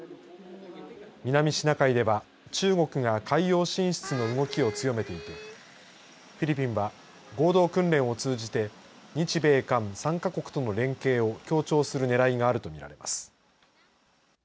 南シナ海では中国が海洋進出の動きを強めていてフィリピンは合同訓練を通じて日米韓３か国との連携を強調するねらいがあると見られます。